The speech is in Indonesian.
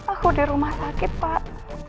aku di rumah sakit pak